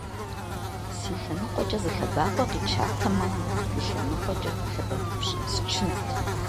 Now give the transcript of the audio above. Си лъэныкъуэкӏэ зы лъэбакъуэ къичатэмэ, и лъэныкъуэкӏэ лъэбакъуипщӏ счынт.